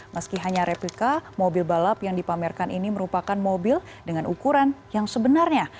meski hanya replika mobil balap yang dipamerkan ini merupakan mobil dengan ukuran yang sebenarnya